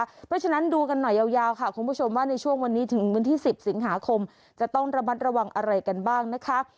เพราะฉะนั้นดูกันหน่อยยาวค่ะคุณผู้ชมว่าในช่วงวันนี้ถึงวันที่๑๐สิงหาคมจะต้องระมัดระวังอะไรกันบ้างนะคะ